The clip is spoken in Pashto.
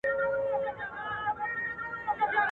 مایکروویف د برس پاکولو لپاره کارېدلی شي.